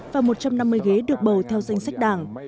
và một trăm năm mươi ghế được bầu theo danh sách đảng